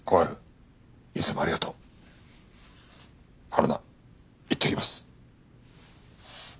春菜いってきます。